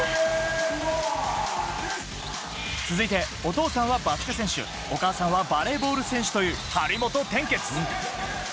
続いて、お父さんはバスケ選手、お母さんはバレーボール選手という張本天傑。